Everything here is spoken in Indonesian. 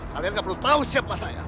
kalian gak perlu tahu siapa saya